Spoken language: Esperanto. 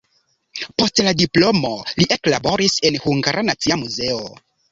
Post la diplomo li eklaboris en Hungara Nacia Muzeo.